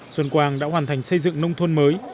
xuân quang đã hoàn thành xây dựng nông thôn mới